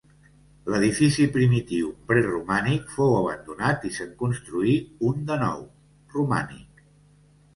L'edifici primitiu preromànic fou abandonat i se'n construí un de nou, romànic.